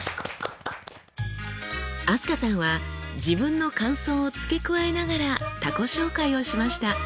飛鳥さんは自分の感想を付け加えながら他己紹介をしました。